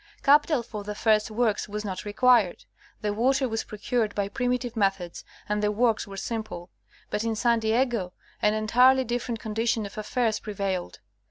Capital for the first works was not required. The water was procured by primitive methods and the works were simple. But in San Diego, an entirely different condition of affairs prevailed.